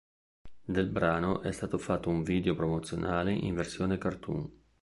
Del brano è stato fatto un video promozionale in versione cartoon.